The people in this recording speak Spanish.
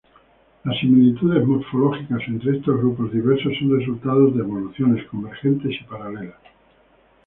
Las similitudes morfológicas entre estos grupos diversos son resultado de evoluciones convergentes y paralelas.